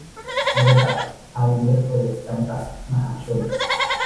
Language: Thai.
บริษัท ไทยเบฟเวอเรจ จำกัด มหาชน